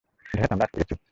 ধ্যাত, আমরা আটকে গেছি।